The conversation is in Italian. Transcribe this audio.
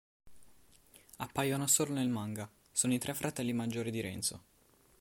Appaiono solo nel manga, sono i tre fratelli maggiori di Renzo.